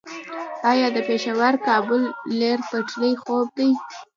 آیا د پیښور - کابل ریل پټلۍ خوب دی؟